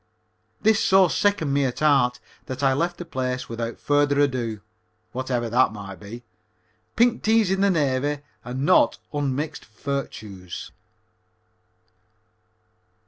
This so sickened me at heart that I left the place without further ado, whatever that might be. Pink teas in the Navy are not unmixed virtues.